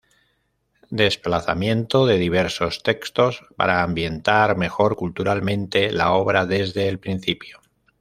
Desplazamiento de diversos textos para ambientar mejor culturalmente la obra desde el principio.